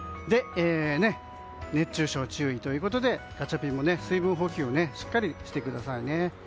熱中症、注意ということでガチャピンも水分補給をしっかりしてくださいね。